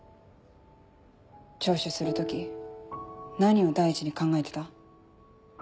聴取する時何を第一に考えてた？